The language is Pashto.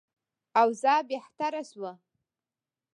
اوضاع بهتره شوه.